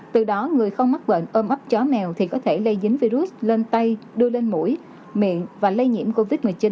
từ đó người không mắc bệnh ôm ấp chó mèo thì có thể lây dính virus lên tay đưa lên mũi miệng và lây nhiễm covid một mươi chín